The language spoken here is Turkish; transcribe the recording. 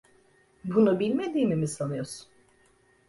Bunu bilmediğimi mi sanıyorsun?